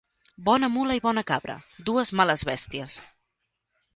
Bona mula i bona cabra, dues males bèsties.